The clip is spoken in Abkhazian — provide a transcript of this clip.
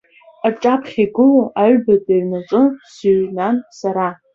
Аҿаԥхьаҟа игылоу аҩбатәи аҩнаҿы сыҩнан сара.